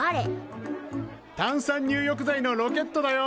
炭酸入浴剤のロケットだよ。